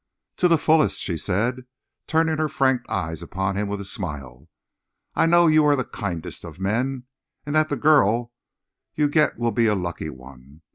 "To the fullest," she said, turning her frank eyes upon him with a smile. "I know you are the kindest of men, and that the girl you get will be a lucky one.